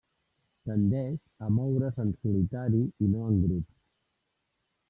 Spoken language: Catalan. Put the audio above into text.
Tendeix a moure's en solitari, i no en grups.